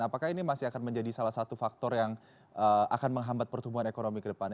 apakah ini masih akan menjadi salah satu faktor yang akan menghambat pertumbuhan ekonomi ke depannya